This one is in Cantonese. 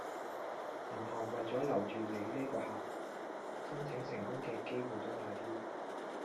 銀行為左留住你呢個客，申請成功嘅機會都大啲